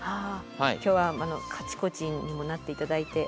今日はカチコチンにもなって頂いて。